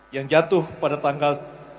yang jatuh pada tanggal